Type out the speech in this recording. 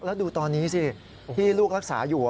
แล้วดูตอนนี้สิที่ลูกรักษาอยู่